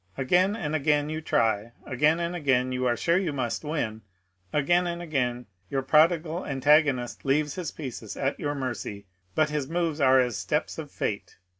Again and again you try ; again and a^ain you are sure you must win ; again and again your prodigal antago nist leaves his pieces at your mercy ; but his moves are as the steps of Fate.